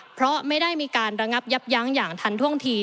เพราะไม่ได้มีการระงับยับยั้งอย่างทันท่วงที